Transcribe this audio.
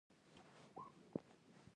باسواده ښځې په دولتي ادارو کې کار کولای شي.